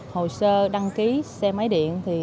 hồ sơ đăng ký xe máy điện